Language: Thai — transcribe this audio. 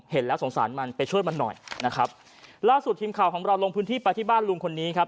เห็นแล้วสงสารมันไปช่วยมันหน่อยนะครับล่าสุดทีมข่าวของเราลงพื้นที่ไปที่บ้านลุงคนนี้ครับ